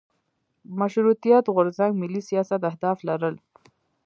مشروطیت غورځنګ ملي سیاست اهداف لرل.